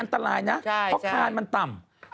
อันตรายนะเพราะคานมันต่ำ